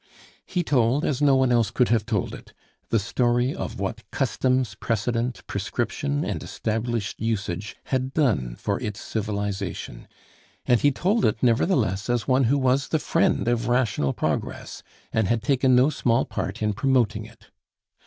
He told, as no one else could have told it, the story of what customs, precedent, prescription, and established usage had done for its civilization; and he told it nevertheless as one who was the friend of rational progress, and had taken no small part in promoting it.